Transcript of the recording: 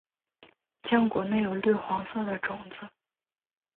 浆果内有绿黄色的种子。